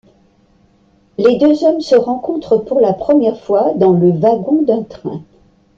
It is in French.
Les deux hommes se rencontrent pour la première fois dans le wagon d'un train.